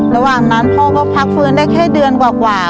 ระหว่างนั้นพ่อก็พักฟื้นได้แค่เดือนกว่า